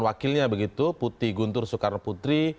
wakilnya begitu putih guntur soekarno putri